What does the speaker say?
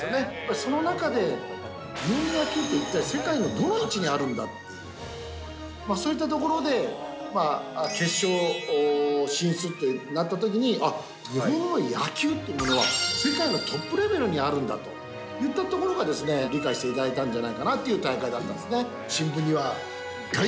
その中で、日本の野球って一体、世界のどの位置にあるんだっていう、そういったところで、決勝進出ってなったときに、あっ、日本の野球っていうものは、世界のトップレベルにあるんだといったところが理解していただいたんじゃないかなって大会だったんですね。